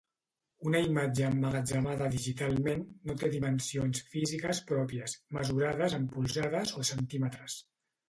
Una imatge emmagatzemada digitalment no té dimensions físiques pròpies, mesurades en polzades o centímetres.